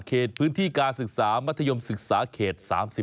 เขตพื้นที่การศึกษามัธยมศึกษาเขต๓๔